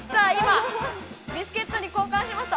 ビスケットに交換しました。